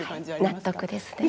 納得ですね。